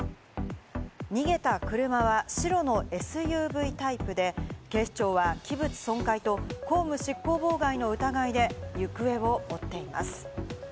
逃げた車は白のＳＵＶタイプで、警視庁は器物損壊と公務執行妨害の疑いで行方を追っています。